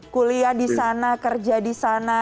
kuliah di sana kerja di sana